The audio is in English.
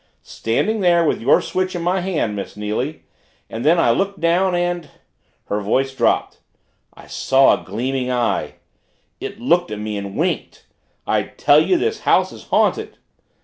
"Standing there with your switch in my hand, Miss Neily and then I looked down and," her voice dropped, "I saw a gleaming eye! It looked at me and winked! I tell you this house is haunted!"